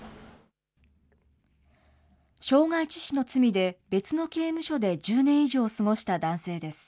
傷害致死の罪で、別の刑務所で１０年以上過ごした男性です。